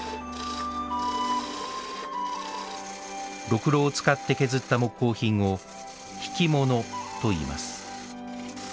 ろくろを使って削った木工品を挽物といいます。